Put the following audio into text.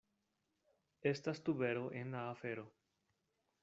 Estas tubero en la afero.